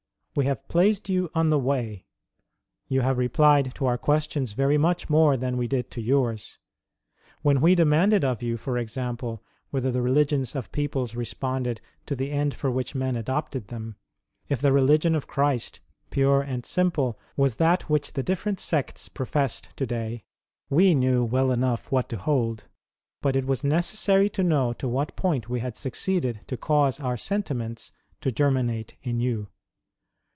We have placed you on the way; you have replied to our questions very much more than we did to yours. When we demanded of you, for example, whether the religions of peoples responded to the end for which men adopted them ; if the religion of Christ, pure and simple, was that which the different sects professed to day, we knew well enough what to hold. But it was necessary to know to what point we had succeeded to cause our sentiments to germinate in you.